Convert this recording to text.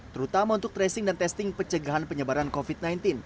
terutama untuk tracing dan testing pencegahan penyebaran covid sembilan belas